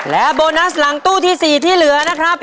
และโบนัสหลังตู้ที่๔ที่เหลือนะครับ